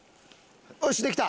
よしできた！